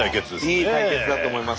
いい対決だと思います。